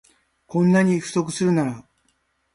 こんなに不足するなら